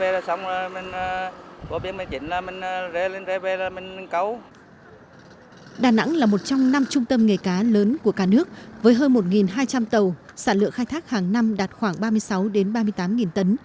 đà nẵng là một trong năm trung tâm nghề cá lớn của cả nước với hơn một hai trăm linh tàu sản lượng khai thác hàng năm đạt khoảng ba mươi sáu ba mươi tám tấn